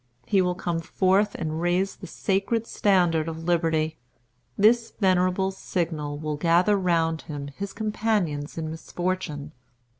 He will come forth and raise the sacred standard of Liberty. This venerable signal will gather round him his companions in misfortune.